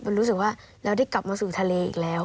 มันรู้สึกว่าเราได้กลับมาสู่ทะเลอีกแล้ว